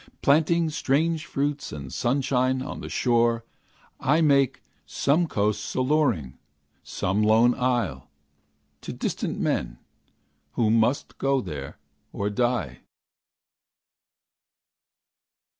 Planting strange fruits and sunshine on the shore, I make some coast alluring, some lone isle, To distant men, who must go there, or die.